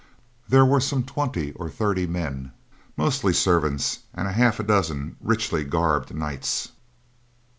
There were some twenty or thirty men, mostly servants, and a half dozen richly garbed knights.